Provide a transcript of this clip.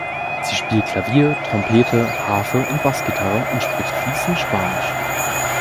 Sie spielt Klavier, Trompete, Harfe und Bassgitarre und spricht fließend Spanisch.